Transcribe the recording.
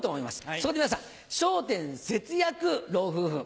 そこで皆さん『笑点』節約老夫婦。